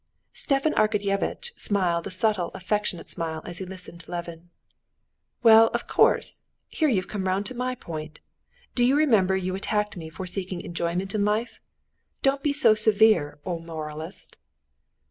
Stepan Arkadyevitch smiled a subtle affectionate smile as he listened to Levin. "Well, of course! Here you've come round to my point. Do you remember you attacked me for seeking enjoyment in life? Don't be so severe, O moralist!"